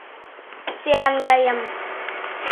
— Сӱан гайым.